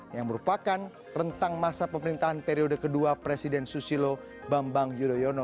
yang merupakan rentang masa pemerintahan periode kedua presiden susilo bambang yudhoyono